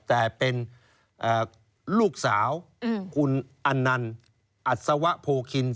แต่เป็นลูกสาวคุณอันนันอัศวะโพคิน